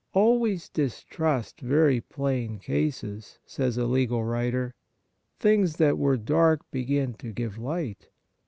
Always distrust very plain cases, says a legal writer. Things that were dark begin to give light.